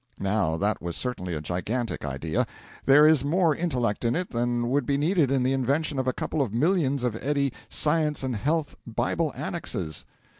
Now that was certainly a gigantic idea. There is more intellect in it than would be needed in the invention of a couple of millions of Eddy Science and Health Bible Annexes.